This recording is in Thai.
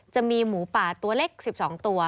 จะมีหมูป่าตัวเล็ก๑๒ตัว